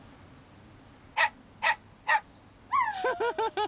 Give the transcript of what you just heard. フフフフ！